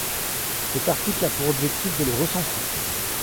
Cet article a pour objectif de les recenser.